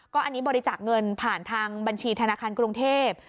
อันนี้บริจาคเงินผ่านทางบัญชีธนาคารกรุงเทพ